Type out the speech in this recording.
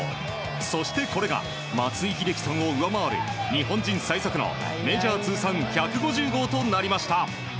そしてこれが松井秀喜さんを上回る日本人最速のメジャー通算１５０号となりました。